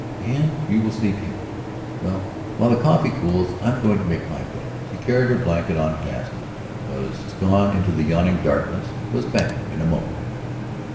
"And you will sleep here? Well, while the coffee cools, I'm going to make my bed." She carried her blanket on past him, was gone into the yawning darkness, was back in a moment.